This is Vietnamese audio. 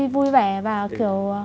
vui vẻ và kiểu